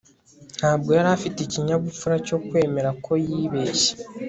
ntabwo yari afite ikinyabupfura cyo kwemera ko yibeshye